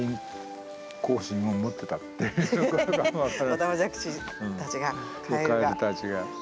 オタマジャクシたちがカエルが。